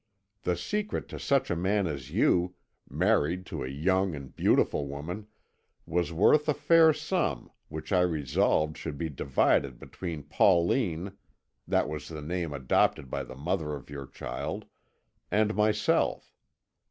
The secret to such a man as you, married to a young and beautiful woman, was worth a fair sum, which I resolved should be divided between Pauline that was the name adopted by the mother of your child and myself.